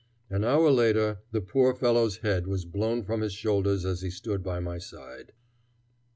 An hour later the poor fellow's head was blown from his shoulders as he stood by my side.